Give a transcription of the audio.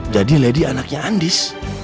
jadi lady anaknya andis